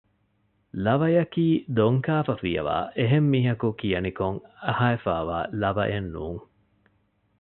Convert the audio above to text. ލަވަޔަކީ ދޮންކާފަ ފިޔަވައި އެހެން މީހަކު ކިޔަނިކޮށް އަހައިފައިވާ ލަވައެއް ނޫން